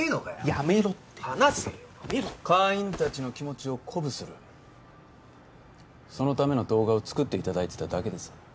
やめろって離せよやめろって会員達の気持ちを鼓舞するそのための動画を作っていただいてただけです